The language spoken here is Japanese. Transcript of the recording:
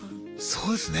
そうですね。